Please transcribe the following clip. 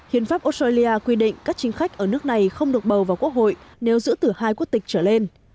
hiến pháp australia quy định các chính khách ở nước này không được bầu vào quốc hội nếu giữ từ hai quốc tịch trở lên